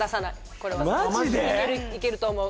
これはいけると思う